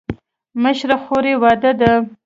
مشره خور یې واده ده.